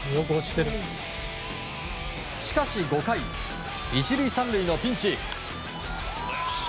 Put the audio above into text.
しかし５回１塁３塁のピンチ。